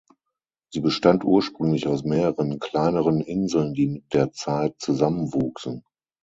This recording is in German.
Sie bestand ursprünglich aus mehreren kleineren Inseln, die mit der Zeit „zusammenwuchsen“.